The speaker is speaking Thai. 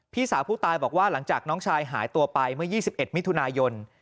พี่สาวผู้ตายบอกว่าหลังจากน้องชายหายตัวไปเมื่อ๒๑มิถุนายน